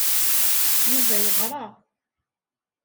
Yuba yeɣra.